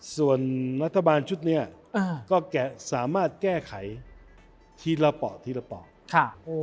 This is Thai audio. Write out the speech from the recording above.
ส่วนรัฐบาลชุดนี้ก็จะสามารถแก้ไขทีละปอดทีละปอด